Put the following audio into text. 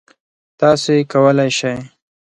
تاسو یې کولای شی.